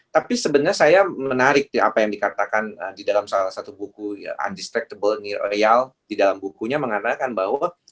tapi sebenarnya saya menarik apa yang dikatakan di dalam salah satu buku undestactable royal di dalam bukunya mengatakan bahwa